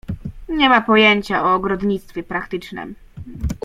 "Nie ma pojęcia o ogrodnictwie praktycznem."